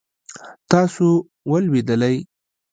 تاسو ولوېدلئ؟